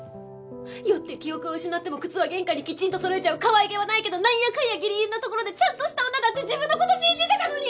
酔って記憶を失っても靴は玄関にキチンとそろえちゃうかわいげはないけどなんやかんやギリギリのところでちゃんとした女だって自分の事信じてたのに！